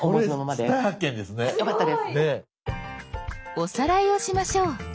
おさらいをしましょう。